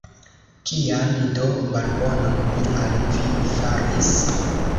Kian do malbonon mi al vi faris?